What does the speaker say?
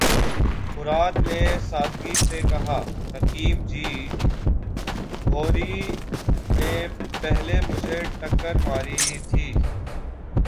مراد نے سادگی سے کہا:”حکیم جی! بھوری نے پہلے مجھے ٹکر ماری تھی۔